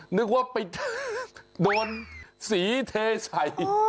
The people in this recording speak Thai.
นึกว่าไปโดนสีเทใส่